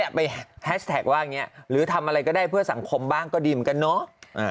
ไปแฮชแท็กว่าอย่างนี้หรือทำอะไรก็ได้เพื่อสังคมบ้างก็ดีเหมือนกันเนาะ